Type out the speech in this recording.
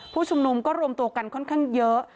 ผู้ชุมนุมก็รวมตัวกันค่อนข้างเยอะ